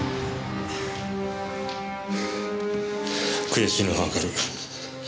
悔しいのはわかる。